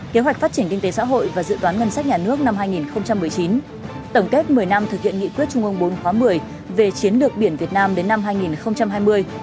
kế hoạch phát triển kinh tế xã hội và dự toán ngân sách nhà nước năm hai nghìn một mươi chín tổng kết một mươi năm thực hiện nghị quyết trung ương bốn khóa một mươi về chiến lược biển việt nam đến năm hai nghìn hai mươi